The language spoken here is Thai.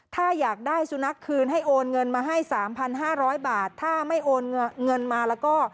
ถ้าอยากได้สุนัขคืนให้โอนเงินมาให้๓๕๐๐บาทถ้าไม่โอนเงินมาแล้วก็